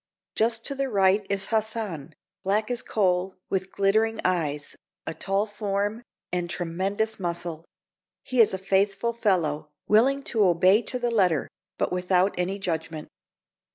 Just to the right is Hassan, black as coal, with glittering eyes, a tall form, and tremendous muscle; he is a faithful fellow, willing to obey to the letter, but without any judgment.